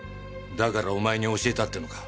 だからお前に教えたってのか？